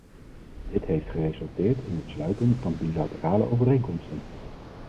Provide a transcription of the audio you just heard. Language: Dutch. Dit heeft geresulteerd in het sluiten van bilaterale overeenkomsten.